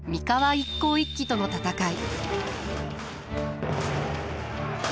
一向一揆との戦い。